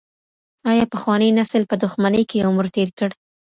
آیا پخواني نسل په دښمنۍ کې عمر تېر کړ؟